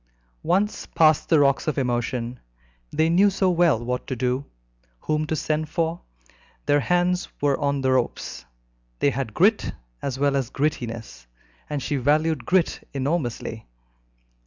Once past the rocks of emotion, they knew so well what to do, whom to send for; their hands were on all the ropes, they had grit as well as grittiness, and she valued grit enormously.